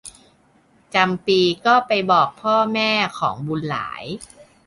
จำปีก็ไปบอกพ่อแม่ของบุญหลาย